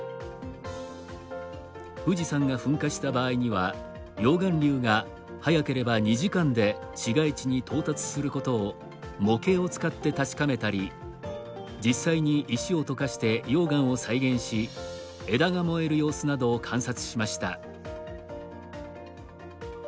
富士山が噴火した場合には溶岩流が早ければ２時間で市街地に到達することを模型を使って確かめたり実際に石を溶かして溶岩を再現し枝が燃える様子などを観察しました。